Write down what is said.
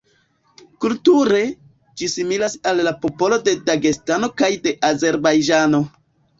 Kulture, ĝi similas al popolo de Dagestano kaj de Azerbajĝano.